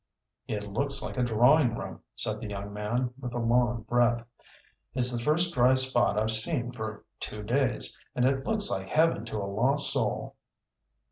"It looks like a drawing room," said the young man, with a long breath. "It's the first dry spot I've seen for two days, and it looks like Heaven to a lost soul."